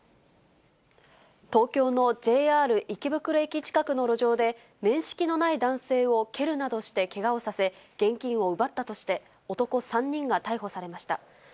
東京のＪＲ池袋駅近くの路上で、面識のない男性を蹴るなどしてけがをさせ、現金を奪ったとして、男３人が逮捕されました。